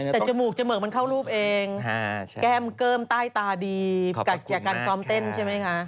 แต่จมูกจะเหมือนมันเข้ารูปเองแก้มเกิมต้ายตาดีจากการซ้อมเต้นใช่ไหมคะขอบคุณมากค่ะ